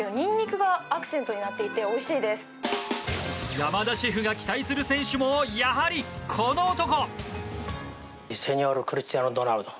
山田シェフが期待する選手もやはりこの男。